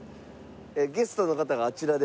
ゲストの方があちらで。